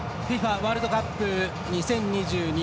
ワールドカップ２０２２